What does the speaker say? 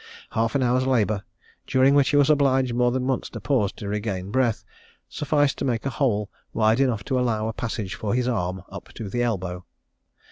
Half an hour's labour, during which he was obliged more than once to pause to regain breath, sufficed to make a hole wide enough to allow a passage for his arm up to the elbow.